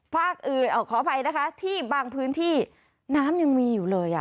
ภาคอื่นขออภัยนะคะที่บางพื้นที่น้ำยังมีอยู่เลย